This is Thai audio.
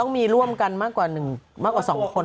ต้องมีร่วมกันมากกว่าหนึ่งมากกว่าสองคน